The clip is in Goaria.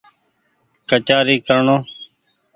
ڪچآري ڪرڻو